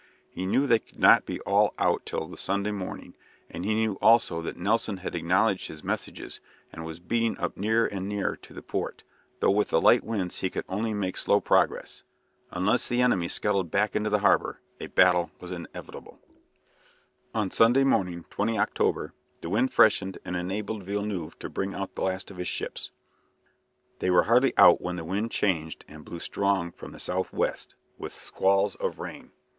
He knew they could not be all out till the Sunday morning, and he knew also that Nelson had acknowledged his messages and was beating up nearer and nearer to the port, though with the light winds he could only make slow progress. Unless the enemy scuttled back into the harbour a battle was inevitable. On the Sunday morning (20 October) the wind freshened and enabled Villeneuve to bring out the last of his ships. They were hardly out when the wind changed and blew strong from the south west, with squalls of rain.